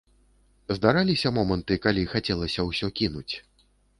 Здараліся моманты, калі хацелася ўсё кінуць?